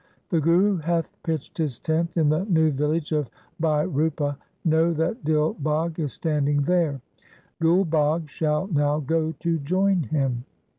The Guru hath pitched his tent in the new village of Bhai Rupa. Know that Dil Bagh is standing there. Gul Bagh shall now go to join him.'